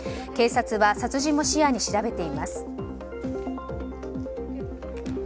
警察は殺人も視野に調べています。